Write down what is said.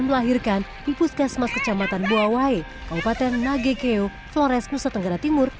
melahirkan di puskesmas kecamatan buawai kabupaten nagekeo flores nusa tenggara timur